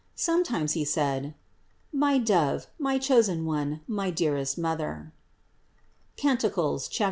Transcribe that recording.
Sometimes He said: "My Dove, my chosen One, my dearest Mother." (Cant.